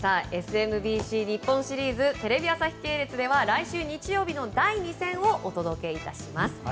ＳＭＢＣ日本シリーズテレビ朝日系列では来週日曜日の第２戦をお届けします。